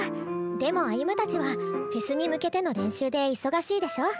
でも歩夢たちはフェスに向けての練習で忙しいでしょ？